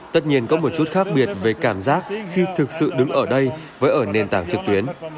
tất nhiên có một chút khác biệt về cảm giác khi thực sự đứng ở đây với ở nền tảng trực tuyến